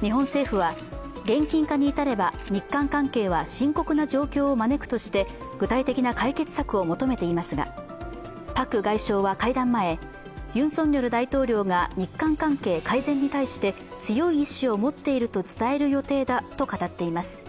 日本政府は、現金化に至れば日韓関係は深刻な状況を招くとして具体的な解決策を求めていますが、パク外相は会談前、ユン・ソンニョル大統領が日韓関係改善に対して強い意思を持っていると伝える予定だと語っています。